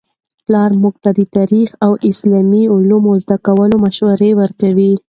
پلار موږ ته د تاریخي او اسلامي علومو د زده کړې مشوره ورکوي.